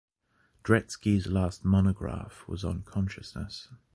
Dretske's last monograph was on consciousness.